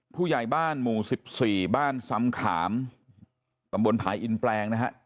ผู้ใหญ่บ้านหมู่๑๔บ้านซ้ำขามตำบลผาอินแปลงนะฮะ